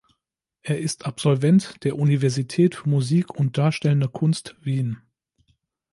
Er ist Absolvent der Universität für Musik und darstellende Kunst Wien.